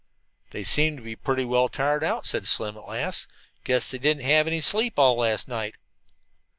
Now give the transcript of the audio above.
"They seem to be pretty well tired out," said Slim at last. "Guess they didn't have any sleep at all last night."